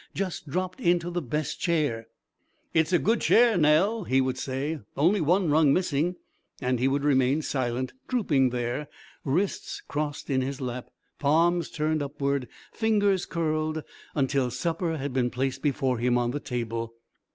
Just dropped into the best chair." "It's a good chair, Nell," he would say, "only one rung missing." And he would remain silent, drooping there, wrists crossed in his lap, palms turned upward, fingers curled, until supper had been placed before him on the table.